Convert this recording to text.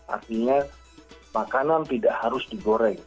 artinya makanan tidak harus digoreng